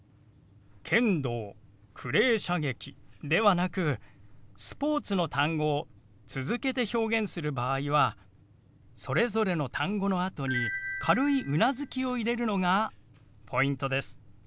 「剣道クレー射撃」ではなくスポーツの単語を続けて表現する場合はそれぞれの単語のあとに軽いうなずきを入れるのがポイントです。